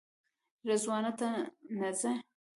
رضوانه ته نه ځې؟